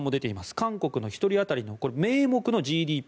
韓国の１人当たりの名目のＧＤＰ。